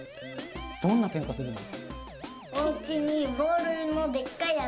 どんなケンカするの？